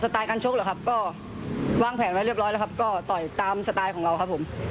ไตล์การชกเหรอครับก็วางแผนไว้เรียบร้อยแล้วครับก็ต่อยตามสไตล์ของเราครับผม